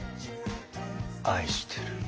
愛してる。